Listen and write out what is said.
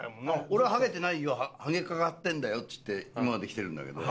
俺はハゲてないよハゲかかってるんだよっつって今まできてるんだけど。